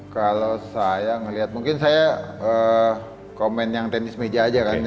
kalau saya melihat mungkin saya komen yang tenis meja aja kan